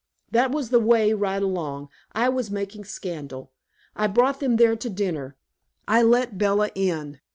That was the way right along: I was making scandal; I brought them there to dinner; I let Bella in!